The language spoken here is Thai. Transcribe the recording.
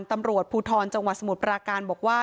ตำรวจภูทรจังหวัดสมุทรปราการบอกว่า